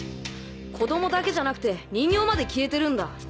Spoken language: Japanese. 子供だけじゃなくて人形まで消えてるんだ。